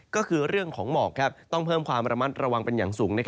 ก็คือเรื่องของหมอกต้องเพิ่มความระมัดระวังเป็นอย่างสูง